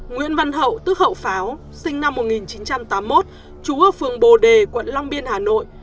nguyễn văn hậu tức hậu pháo sinh năm một nghìn chín trăm tám mươi một trú ở phường bồ đề quận long biên hà nội